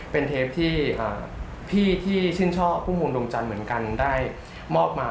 เป็นเทปที่พี่ที่ชื่นชอบพุ่มพวงดวงจันทร์เหมือนกันได้มอบมา